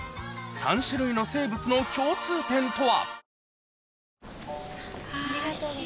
３種類の生物の共通点とは？